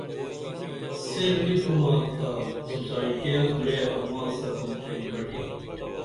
سیر نی تُھمہ تا سوسائٹیہ کُرے اماں سپُن ایک بٹی